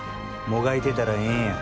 もがいてたらええんや。